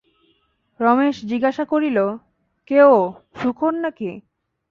রমেশ জিজ্ঞাসা করিল, কে ও, সুখন নাকি?